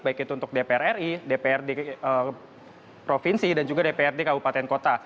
baik itu untuk dpr ri dpr di provinsi dan juga dpr di kabupaten kota